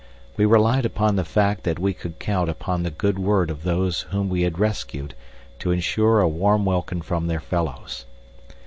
We relied upon the fact that we could count upon the good word of those whom we had rescued to ensure a warm welcome from their fellows.